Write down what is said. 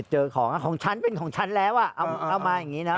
เจอของของฉันเป็นของฉันแล้วอ่ะเอามาอย่างนี้นะ